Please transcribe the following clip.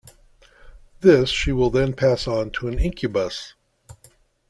This she will then pass on to an incubus.